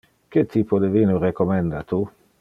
Que typo de vino recommenda tu?